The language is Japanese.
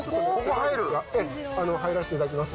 入らせていただきます。